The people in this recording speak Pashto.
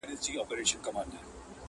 o انسان د خطا خالي نه دئ!